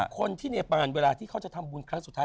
คนที่เนปานเวลาที่เขาจะทำบุญครั้งสุดท้าย